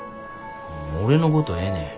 俺のことはええねん。